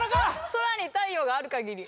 「空に太陽がある限り」